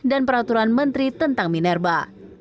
dan peraturan menteri tentang minerba